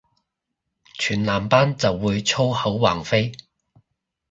全男班就會粗口橫飛